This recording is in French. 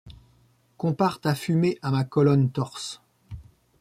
Compare ta fumée à ma colonne torse ;